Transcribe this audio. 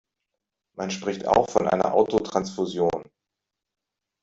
Man spricht auch von einer Autotransfusion.